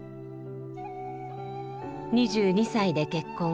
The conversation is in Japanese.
２２歳で結婚。